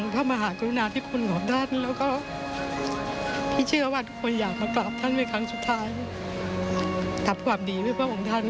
พระองค์ท่านสู่สวรรคาไลและขอให้พระองค์ท่าน